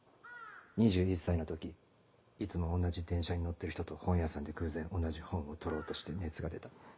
２１歳の時いつも同じ電車に乗ってる人と本屋さんで偶然同じ本を取ろうとして熱が出た。